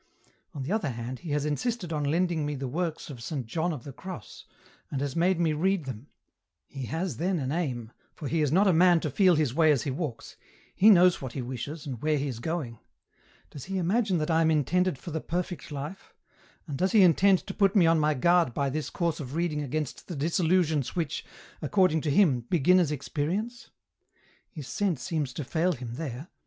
" On the other hand he has insisted on lending me the works of Saint John of the Cross, and has made me read them ; he has then an aim, for he is not a man to feel his way as he walks, he knows what he wishes and where he is going ; does he imagine that I am intended for the perfect life, and does he intend to put me on my guard by this course of reading against the disillusions which, according to him, beginners experience ? His scent seems to fail him there.